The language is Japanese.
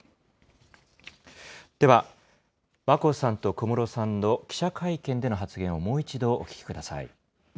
では、眞子さんと小室さんの記者会見での発言をもう一度お聞きく